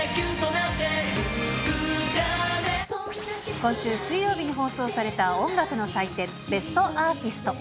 今週水曜日に放送された音楽の祭典、ベストアーティスト。